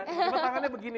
untuk pemenangnya momotishi